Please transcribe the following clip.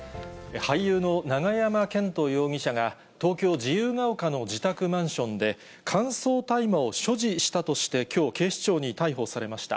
俳優の永山絢斗容疑者が、東京・自由が丘の自宅マンションで、乾燥大麻を所持したとしてきょう、警視庁に逮捕されました。